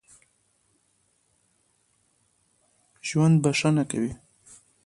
ژوندي بښنه کوي